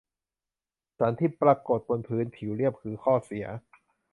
สันที่ปรากฏบนพื้นผิวเรียบ คือ ข้อเสีย